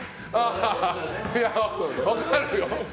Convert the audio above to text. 分かるよ。